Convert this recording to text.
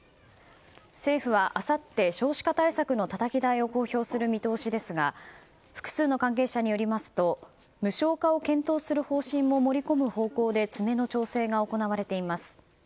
政府はあさって少子化対策のたたき台を公表する見通しですが複数の関係者によりますと無償化を検討する方針も盛り込む方向で詰めの調整が行われています。